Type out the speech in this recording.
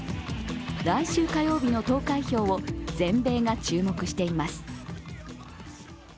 来週火曜日の投開票を全米が注目しています。